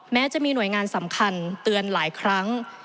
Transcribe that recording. แม้จะมีหน่วยงานสำคัญเตือนหลายครั้ง